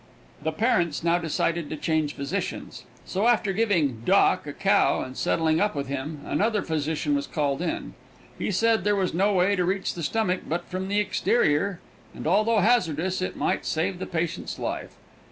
The parents now decided to change physicians. So after giving "Doc" a cow and settling up with him, another physician was called in. He said there was no way to reach the stomach but from the exterior, and, although hazardous, it might save the patient's life.